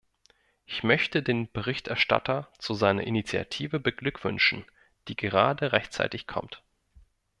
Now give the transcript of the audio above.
Ich möchte den Berichterstatter zu seiner Initiative beglückwünschen, die gerade rechtzeitig kommt.